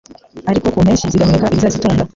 ariko ku mpeshyi zigahunika ibizazitunga